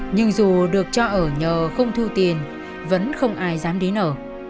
nhưng dù được cho ở nhờ không thu tiền vẫn không ai dám đến ở